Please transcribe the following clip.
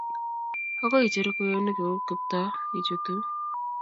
agoi icheru kweyonik kuk koKiptooo ichutu